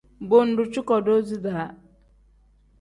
Bo ngdu cuko doozi da.